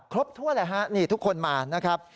ครบทั่วแหละฮะนี่ทุกคนมานะครับ